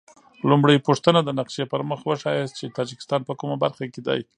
لومړۍ پوښتنه: د نقشې پر مخ وښایاست چې تاجکستان په کومه برخه کې دی؟